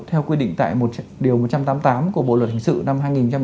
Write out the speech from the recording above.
theo quy định tại một điều một trăm tám mươi tám của bộ luật hình sự năm hai nghìn một mươi năm